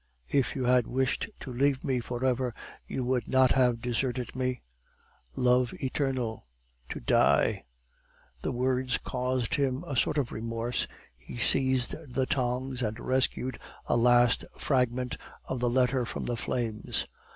If you had wished to leave me for ever, you would not have deserted me Love eternal To die " The words caused him a sort of remorse; he seized the tongs, and rescued a last fragment of the letter from the flames.